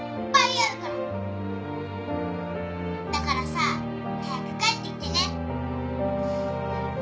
だからさ早く帰ってきてね。